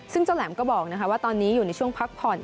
ซึ่งเจ้าแหลมก็บอกว่าตอนนี้อยู่ในช่วงพักผ่อน